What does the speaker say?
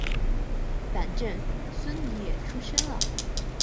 反正孙女也出生了